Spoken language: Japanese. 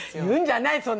言うんじゃない！